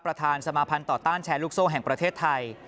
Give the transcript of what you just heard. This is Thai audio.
ประธานสมาภัณฑ์ต่อต้านแชร์ลูกโซ่แห่งประเทศไทย